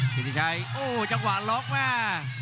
กิจิชัยโอ้จังหวะล็อกแม่